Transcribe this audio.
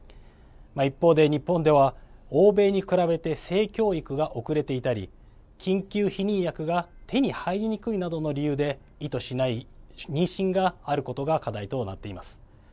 一方で日本では、欧米に比べて性教育が後れていたり緊急避妊薬が手に入りにくいなどの理由で意図しない妊娠があることが課題となっています。